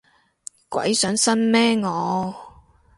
鬼上身咩我